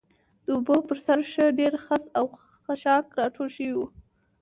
د اوبو پر سر ښه ډېر خس او خاشاک راټول شوي و.